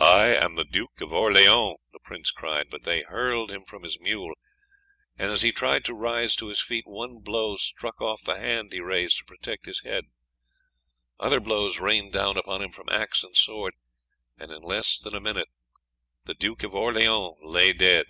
"'I am the Duke of Orleans,' the prince cried; but they hurled him from his mule, and as he tried to rise to his feet one blow struck off the hand he raised to protect his head, other blows rained down upon him from axe and sword, and in less than a minute the duke lay dead.